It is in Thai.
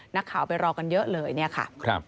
นักข่าวไปรอกันเยอะเลยเนี่ยค่ะ